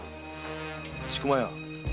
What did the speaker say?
千曲屋。